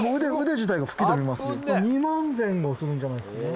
多分２万前後するんじゃないですかね。